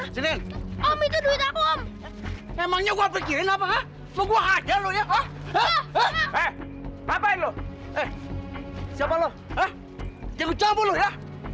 sampai jumpa di video selanjutnya